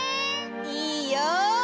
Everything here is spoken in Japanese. いいよ！